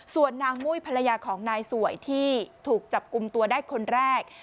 ส่วนนางมุ้ยภรรยาของนายสวยที่ถูกจับกลุ่มตัวได้คนแรก